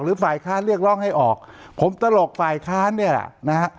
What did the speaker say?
ฝ่ายค้านเรียกร้องให้ออกผมตลกฝ่ายค้านเนี่ยแหละนะฮะ